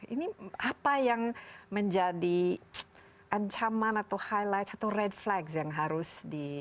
ini apa yang menjadi ancaman atau highlight atau red flags yang harus di